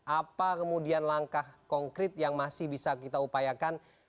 apa kemudian langkah konkret yang masih bisa kita upayakan